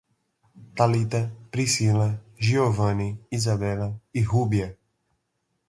Talita, Priscila, Giovani, Isabela e Rúbia